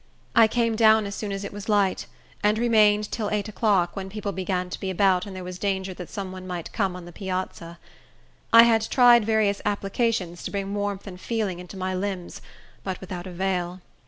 I came down as soon as it was light, and remained till eight o'clock, when people began to be about, and there was danger that some one might come on the piazza. I had tried various applications to bring warmth and feeling into my limbs, but without avail.